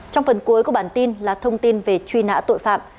trong phần cuối của bản tin là thông tin về truy nã tội phạm